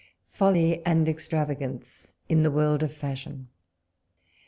FOLLY AND EXTItAVAGANCi: IN THE WORLD OF FASHION.